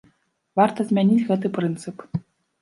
Варта змяніць гэты прынцып.